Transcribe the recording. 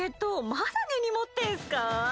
まだ根に持ってんすかぁ？